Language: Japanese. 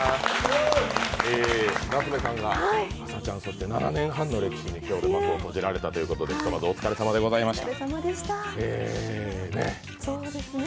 夏目さんが「あさチャン！」の７年半の歴史に今日で幕を閉じられたということで、ひとまずお疲れさまでございました。